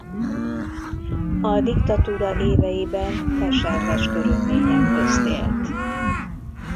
A diktatúra éveiben keserves körülmények közt élt.